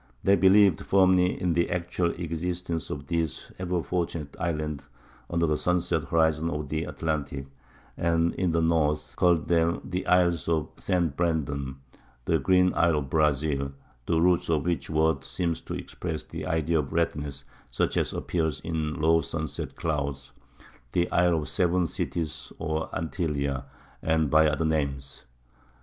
They believed firmly in the actual existence of these ever fortunate islands under the sunset horizon of the Atlantic, and (in the north) called them the Isles of St. Brandon, the "green isle of Brazil" (the root of which word seems to express the idea of redness, such as appears in low sunset clouds), the Isle of the Seven Cities or Antillia, and by other names.